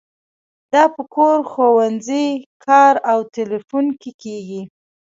دا په کور، ښوونځي، کار او تیلیفون کې کیږي.